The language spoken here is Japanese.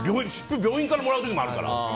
病院からもらう時もあるから。